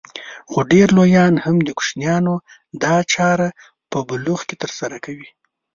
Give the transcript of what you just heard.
خو ډېر لويان هم د کوچنيانو دا چاره په بلوغ کې ترسره کوي.